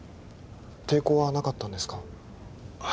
抵抗はなかったんですか？